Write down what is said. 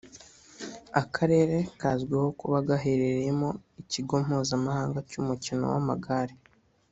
Akarere kazwiho kuba gaherereyemo ikigo mpuzamahanga cy’umukino w’amagare